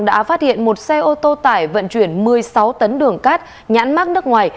đã phát hiện một xe ô tô tải vận chuyển một mươi sáu tấn đường cát nhãn mát nước ngoài